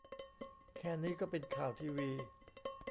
แค่นี้ก็เป็นข่าวทีวี !